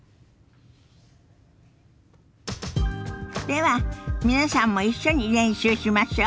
では皆さんも一緒に練習しましょ。